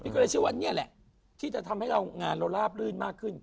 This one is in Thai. ก็เลยเชื่อว่านี่แหละที่จะทำให้เรางานเราลาบลื่นมากขึ้น